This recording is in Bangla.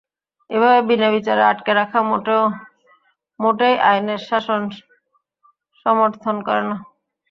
এভাবে বিনা বিচারে আটকে রাখা মোটেই আইনের শাসন সমর্থন করে না।